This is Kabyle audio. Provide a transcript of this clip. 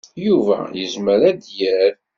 Yuba yezmer ad d-yerr.